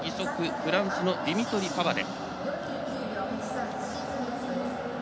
フランスのディミトリ・パバデ。